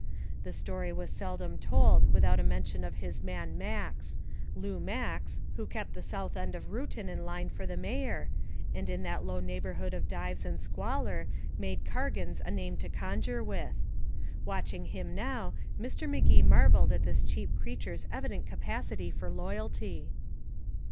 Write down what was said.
The story was seldom told without a mention of his man Max Lou Max who kept the south end of Reuton in line for the mayor, and in that low neighborhood of dives and squalor made Cargan's a name to conjure with. Watching him now, Mr. Magee marveled at this cheap creature's evident capacity for loyalty.